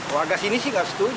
warga sini sih nggak setuju